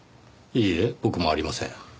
いいえ僕もありません。